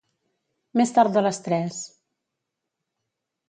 Més tard de les tres.